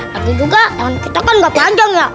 lagi juga yang kita kan gak panjang ya